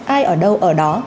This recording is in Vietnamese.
ai ở đâu ở đó